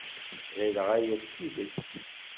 Ɣileɣ aya d tidet.